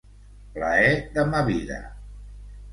Plaer de ma vida: